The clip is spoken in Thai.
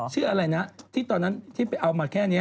ชื่ออะไรนะที่ตอนนั้นที่ไปเอามาแค่นี้